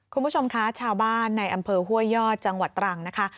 คุณผู้ชมคะชาวบ้านในอำเภอห้วยยอดจังหวัดตรังนะคะ